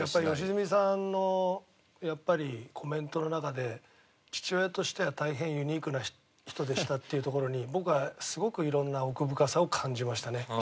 良純さんのやっぱりコメントの中で「父親としては大変ユニークな人でした」っていうところに僕はすごくいろんな奥深さを感じましたね。